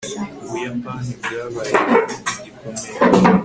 ubuyapani bwabaye igihugu gikomeye